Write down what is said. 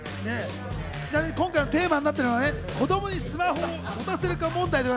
ちなみに今回のテーマになっているのは子供にスマホをいつ持たせるか問題。